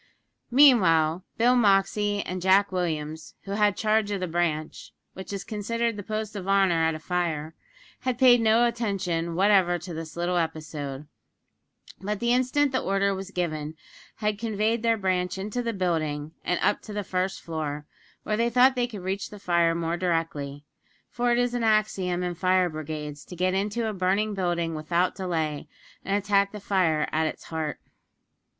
Meanwhile, Bill Moxey and Jack Williams, who had charge of the branch which is considered the post of honour at a fire had paid no attention whatever to this little episode; but the instant the order was given, had conveyed their branch into the building, and up to the first floor, where they thought they could reach the fire more directly; for it is an axiom in fire brigades to get into a burning building without delay, and attack the fire at its heart.